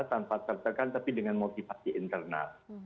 tanpa tertekan tapi dengan motivasi internal